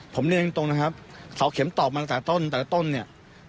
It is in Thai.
ผมเรียนตรงนะครับเสาเข็มตอบมาตั้งแต่ต้นแต่ละต้นเนี่ย